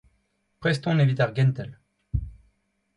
Prest on evit ar gentel.